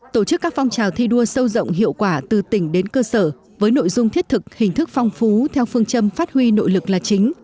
tổ chức các phong trào thi đua sâu rộng hiệu quả từ tỉnh đến cơ sở với nội dung thiết thực hình thức phong phú theo phương châm phát huy nội lực là chính